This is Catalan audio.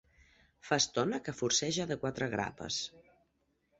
Fa estona que forceja de quatre grapes.